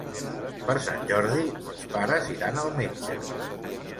Per Sant Jordi mons pares iran al metge.